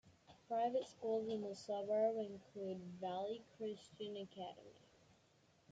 Private schools in the suburb include Valley Christian Academy.